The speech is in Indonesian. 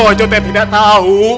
wah jodohnya tidak tahu